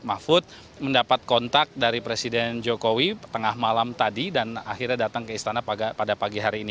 mahfud mendapat kontak dari presiden jokowi tengah malam tadi dan akhirnya datang ke istana pada pagi hari ini